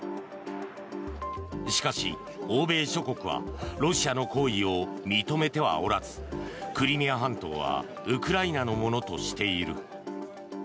しかし、欧米諸国はロシアの行為を認めてはおらずクリミア半島はウクライナのものとしている。